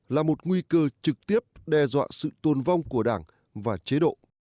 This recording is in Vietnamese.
là một nguy cơ trực tiếp đe dọa sự tôn vong của đảng và chế độ